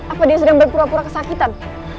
apa dia sedang berpura pura kesakitan